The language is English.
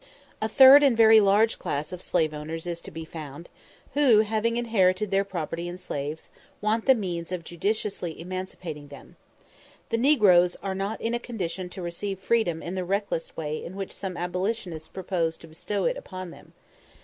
A third and very large class of slave owners is to be found, who, having inherited their property in slaves, want the means of judiciously emancipating them. The negroes are not in a condition to receive freedom in the reckless way in which some abolitionists propose to bestow it upon them.